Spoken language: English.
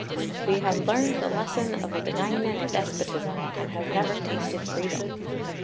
"We have learned the lesson of a benignant despotism, and have never tasted freedom."